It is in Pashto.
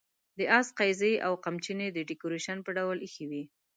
د آس قیضې او قمچینې د ډیکوریشن په ډول اېښې وې.